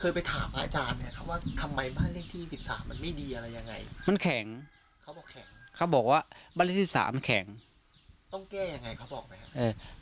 เคยไปถามอาจารย์เนี้ยเขาว่าทำไมบ้านเลขที่สิบสามมันไม่ดีอะไรยังไง